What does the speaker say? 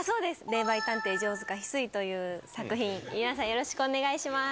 霊媒探偵じょうづか翡翠という作品、皆さん、よろしくお願いします。